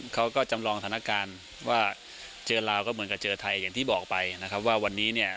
เขาก็จำลองสถานการณ์ว่าเจอลาวก็เหมือนกับเจอไทยอย่างที่บอกไปนะครับว่าวันนี้เนี่ย